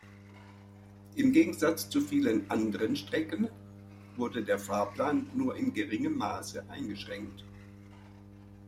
Im Gegensatz zu vielen anderen Strecken wurde der Fahrplan nur in geringem Maße eingeschränkt.